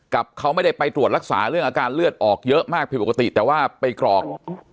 กับเขาไม่ได้ไปตรวจรักษาเรื่องอาการเลือดออกเยอะมากผิดปกติแต่ว่าไปกรอก